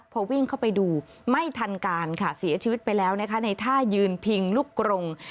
พอวิ่งเข้าไปดูไม่ทันการค่ะเสียชีวิตไปแล้วนะคะในท่ายืนพิงลูกกรง